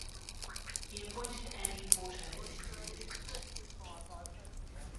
He appointed Andy Porter as his assistant.